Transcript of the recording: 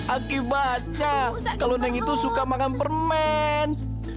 akibatnya kalau neng itu suka makan permen